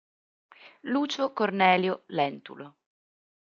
Lucio Cornelio Lentulo